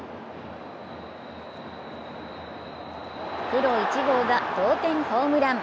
プロ１号が同点ホームラン。